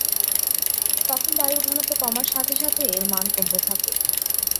তখন বায়ুর ঘনত্ব কমার সাথে সাথে এর মান কমতে থাকে।